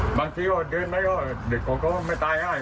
มันบางทีเดือนเด็กละไม่ตายเห้ย